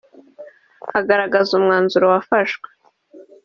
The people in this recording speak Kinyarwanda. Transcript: Agaragaza umwanzuro wafashwe